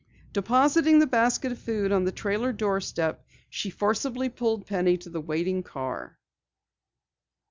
Depositing the basket of food on the trailer doorstep, she forcibly pulled Penny to the waiting car.